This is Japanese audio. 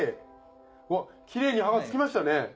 うわっキレイに刃が付きましたね。